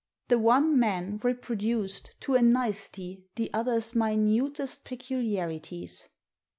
The one man reproduced, to a nicety, the other's minutest peculiarities.